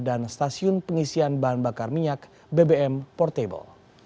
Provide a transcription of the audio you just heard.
dan stasiun pengisian bahan bakar minyak bbm portable